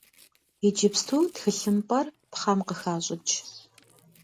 Иджыпсту тхылъымпӏэр пхъэм къыхащӏыкӏ.